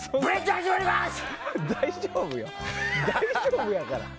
大丈夫やから。